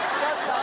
あ